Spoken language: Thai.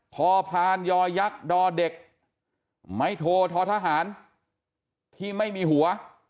พอพานยอยักษ์ดอเด็กไม่โทททหารที่ไม่มีหัว